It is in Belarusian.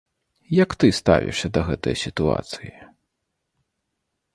Як ты ставішся да гэтае сітуацыі?